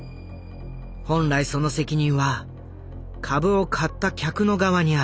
本来その責任は株を買った客の側にある。